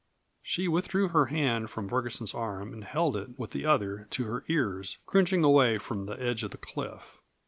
She withdrew her hand from Ferguson's arm and held it, with the other, to her ears, cringing away from the edge of the cliff.